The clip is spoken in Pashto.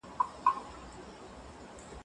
مجبور مزدور وم پام مې نه و